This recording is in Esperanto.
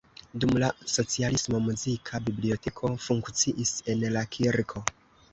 Dum la socialismo muzika biblioteko funkciis en la kirko.